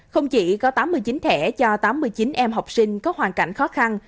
không chỉ có tám mươi chín thẻ cho tám mươi chín em học sinh có hoàn cảnh khó khăn